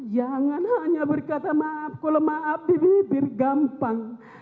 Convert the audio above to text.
jangan hanya berkata maaf kalau maaf di bibir gampang